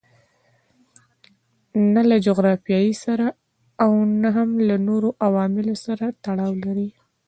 نه له جغرافیې سره او نه هم له نورو عواملو سره تړاو لري.